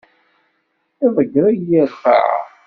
Iḍegger-iyi ar lqaɛa.